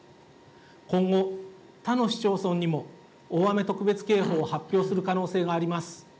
今後、他の市町村にも大雨特別警報を発表する可能性があります。